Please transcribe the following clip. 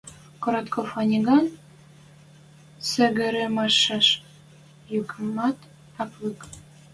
Коротков Аникан сӹгӹрӹмӓшеш юкымат ак лык.